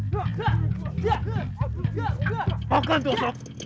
makan tuh sob